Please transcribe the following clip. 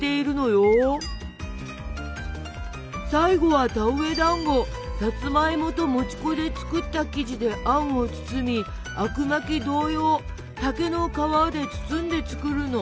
最後はさつまいもともち粉で作った生地であんを包みあくまき同様竹の皮で包んで作るの。